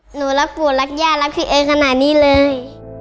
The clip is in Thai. หนูรักปู่รักย่ารักพี่เอขนาดนี้เลย